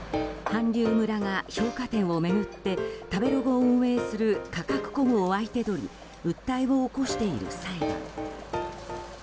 韓流村が評価点を巡って食べログを運営するカカクコムを相手取り訴えを起こしている裁判。